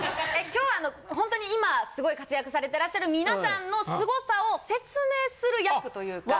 今日はほんとに今すごい活躍されてらっしゃるみなさんのすごさを説明する役というか。